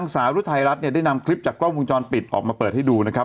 สาวรุทัยรัฐเนี่ยได้นำคลิปจากกล้องวงจรปิดออกมาเปิดให้ดูนะครับ